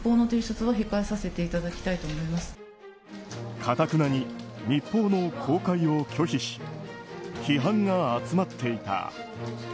かたくなに日報の公開を拒否し批判が集まっていた。